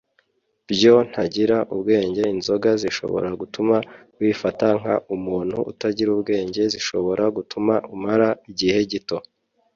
Byo ntagira ubwenge inzoga zishobora gutuma wifata nk umuntu utagira ubwenge zishobora gutuma umara igihe gito